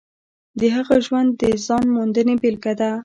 د هغه ژوند د ځان موندنې بېلګه ده.